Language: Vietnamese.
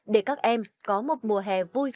để các em có một mùa hè vui vẻ và an toàn